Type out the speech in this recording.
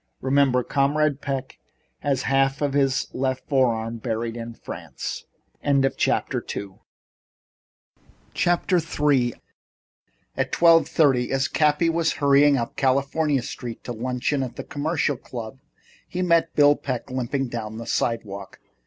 Remember, Comrade Peck has half of his left forearm buried in France." III At twelve thirty, as Cappy was hurrying up California Street to luncheon at the Commercial Club, he met Bill Peck limping down the sidewalk.